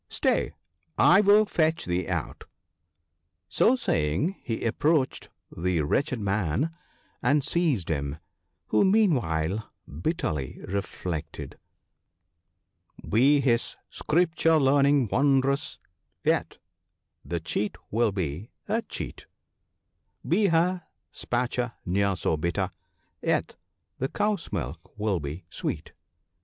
stay, I will fetch thee out !" So saying he approached the wretched man and seized him — who meanwhile bitterly reflected —" Be his Scripture learning wondrous, yet the cheat will be a cheat ; Be her pasture ne'er so bitter, yet the cow's milk will be sweet."